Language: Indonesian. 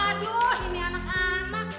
aduh ini anak anak